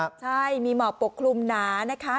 ใช่มีหมอกปกคลุมหนานะคะ